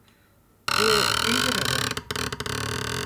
Bu iyi bir haber.